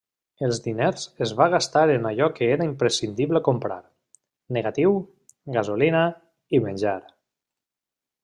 Els diners es va gastar en allò que era imprescindible comprar: negatiu, gasolina i menjar.